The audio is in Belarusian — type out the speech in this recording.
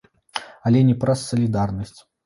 Але не праз салідарнасць.